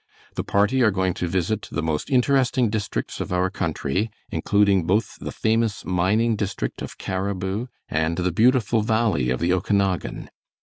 The party are going to visit the most interesting districts of our country, including both the famous mining district of Cariboo and the beautiful valley of the Okanagan.